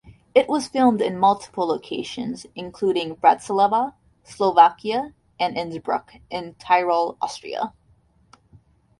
It was filmed in multiple locations, including Bratislava, Slovakia and Innsbruck in Tyrol, Austria.